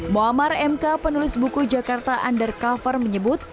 muammar mk penulis buku jakarta undercover menyebut